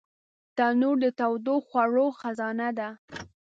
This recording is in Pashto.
تنور د تودو خوړو خزانه ده